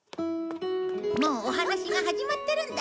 もうお話が始まってるんだよ。